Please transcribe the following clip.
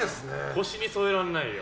腰に添えられないよ。